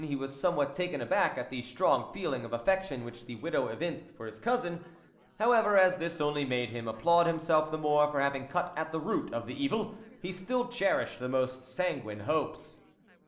He was somewhat taken aback at the strong feeling of affection which the widow evinced for his cousin ; however, as this only made him applaud himself the more for having cut at the root of the evil, he still cherished the most sanguine hopes.